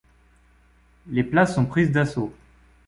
Les places sont prises d'assaut.